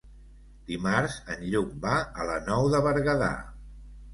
Dimarts en Lluc va a la Nou de Berguedà.